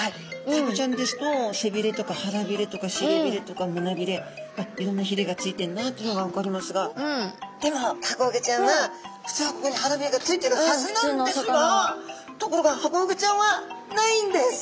サバちゃんですと背びれとか腹びれとかしりびれとかむなびれいろんなひれが付いてんなっていうのが分かりますがでもハコフグちゃんは普通はここに腹びれが付いてるはずなんですがところがハコフグちゃんはないんです！